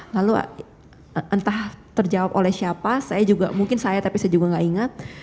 lalu entah terjawab oleh siapa saya juga mungkin saya tapi saya juga gak ingat